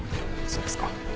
そうですか。